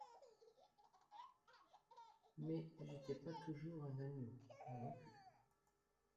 Mais j'étais pas toujours un agneau, moi non plus.